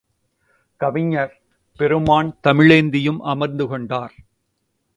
கவிஞர் பெருமான் தமிழேந்தியும் அமர்ந்து கொண்டார்.